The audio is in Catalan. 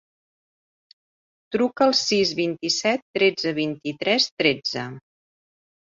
Truca al sis, vint-i-set, tretze, vint-i-tres, tretze.